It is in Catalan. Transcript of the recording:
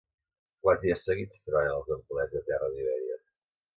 Quants dies seguits treballen els empleats de terra d'Ibèria?